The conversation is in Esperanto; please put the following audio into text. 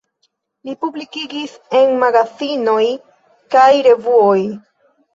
Li publikigis en magazinoj kaj revuoj.